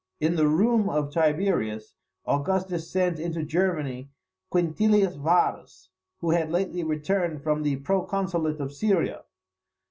In the room of Tiberius, Augustus sent into Germany Quintilius Varus, who had lately returned from the proconsulate of Syria.